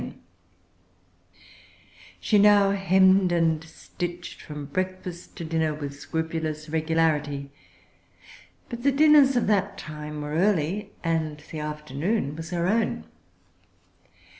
She now hemmed and stitched from breakfast to dinner with scrupulous regularity. But the dinners of that time were early; and the afternoon was her own.